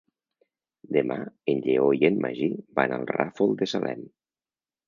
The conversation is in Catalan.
Demà en Lleó i en Magí van al Ràfol de Salem.